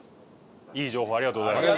いい情報ありがとうございました。